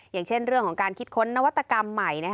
อย่างเช่นเรื่องของการคิดค้นนวัตกรรมใหม่